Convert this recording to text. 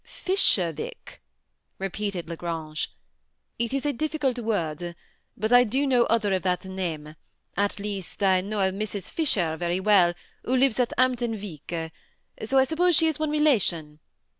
" Fisherveke !" repeated La Grange. " It is a diffi cult word, but I do know oder of that name, — at least, I know a Mrs. Fisher very well, who live' at Hampton Veke ; so I suppose she is one relation.